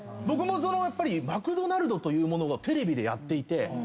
僕もやっぱりマクドナルドというものがテレビでやっていて。